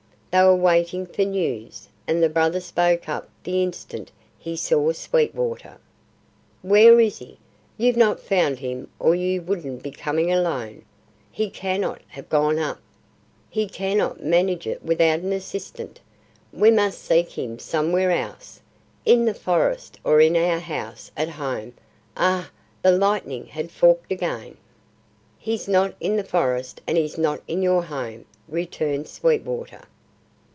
They were waiting for news, and the brother spoke up the instant he saw Sweetwater: "Where is he? You've not found him or you wouldn't be coming alone. He cannot have gone up. He cannot manage it without an assistant. We must seek him somewhere else; in the forest or in our house at home. Ah!" The lightning had forked again. "He's not in the forest and he's not in your home," returned Sweetwater.